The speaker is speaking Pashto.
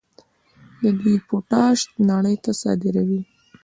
دوی پوټاش نړۍ ته صادروي.